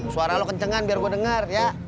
suara lo kencengan biar gue dengar ya